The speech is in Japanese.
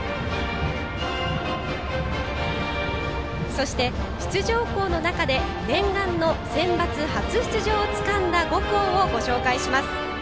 そして出場校の中で念願のセンバツ初出場をつかんだ５校を紹介します。